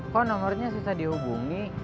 kok nomornya susah dihubungi